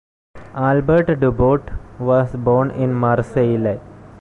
Albert Dubout was born in Marseille.